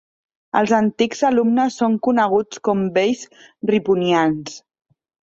Els antics alumnes són coneguts com Vells Riponians.